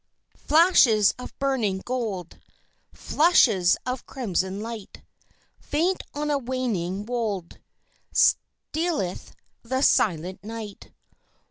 Flashes of burning gold, Flushes of crimson light Faint on a waning wold, Stealeth the silent night.